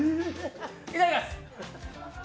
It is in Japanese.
いただきます！